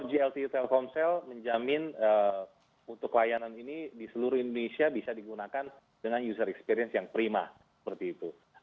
gltu telkomsel menjamin untuk layanan ini di seluruh indonesia bisa digunakan dengan user experience yang prima seperti itu